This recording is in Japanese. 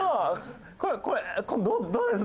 これどうです？